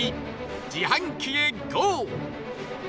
自販機へゴー！